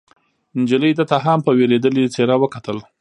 نجلۍ ده ته هم په وېرېدلې څېره وکتل.